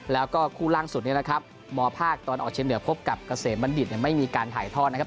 แล้วก็คู่ล่างสุดนี้นะครับมภาคตอนออกเชียงเหนือพบกับเกษมบัณฑิตไม่มีการถ่ายทอดนะครับ